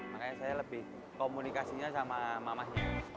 makanya saya lebih komunikasinya sama mamahnya